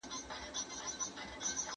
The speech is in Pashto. زه به د ورزش کولو تمرين کړی وي.